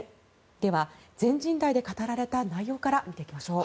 では全人代で語られた内容から見ていきましょう。